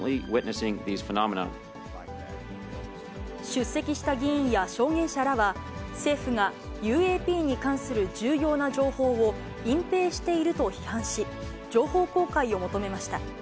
出席した議員や証言者らは、政府がＵＡＰに関する重要な情報を隠蔽していると批判し、情報公開を求めました。